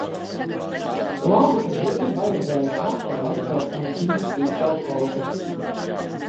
Labi, ka drīz vajadzēja atkal aizbraukt no Dimskī sovhoza.